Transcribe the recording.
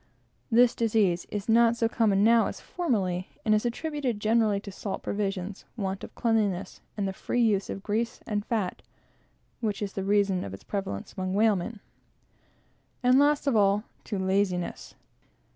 This disease is not so common now as formerly; and is attributed generally to salt provisions, want of cleanliness, the free use of grease and fat (which is the reason of its prevalence among whalemen,) and, last of all, to laziness.